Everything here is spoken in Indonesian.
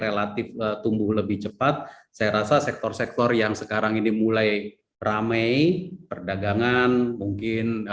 relatif tumbuh lebih cepat saya rasa sektor sektor yang sekarang ini mulai ramai perdagangan mungkin